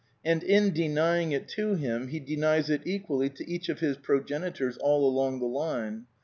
And in denying it to him he denies it equally to each of his progenitors all along the line.